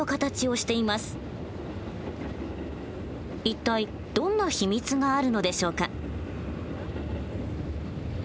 一体どんな秘密があるのでしょうか？